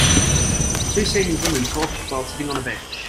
Two senior women talk while sitting on a bench.